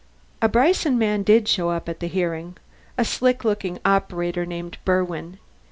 A Bryson man did show up at the hearing a slick looking operator named Berwin.